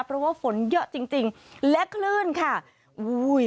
เพราะว่าฝนเยอะจริงจริงและคลื่นค่ะอุ้ย